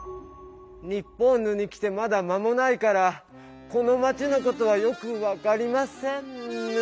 ニッポンヌに来てまだまもないからこのまちのことはよく分かりませんッヌ！